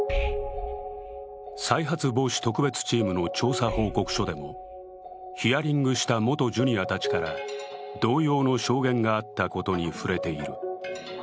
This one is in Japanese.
再発防止特別チームの調査報告書でも、ヒアリングした元ジュニアたちから同様の証言があったことに触れている。